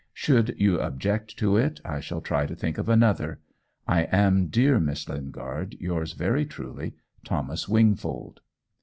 Should you object to it, I shall try to think of another. I am, dear Miss Lingard, yours very truly, Thomas Wingfold."